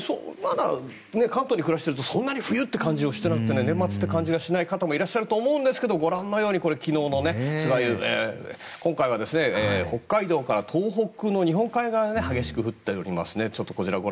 関東に暮らしていると冬という感じがしなくて年末って感じがしない方もいらっしゃると思うんですがご覧のように今回は北海道から東北の日本海側で激しく降っています。